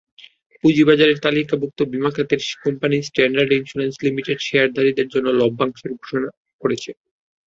পুঁজিবাজারে তালিকাভুক্ত বিমা খাতের কোম্পানি স্ট্যান্ডার্ড ইনস্যুরেন্স লিমিটেড শেয়ারধারীদের জন্য লভ্যাংশ ঘোষণা করেছে।